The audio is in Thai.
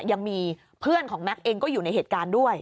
ยังมีเพื่อนของแม็กซ์เองก็อยู่ในเหตุการณ์ด้วย